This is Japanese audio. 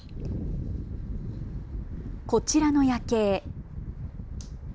こちらの夜景。